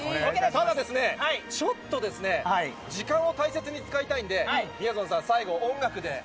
ただですね、ちょっとですね、時間を大切に使いたいんで、みやぞんさん、最後、音楽で。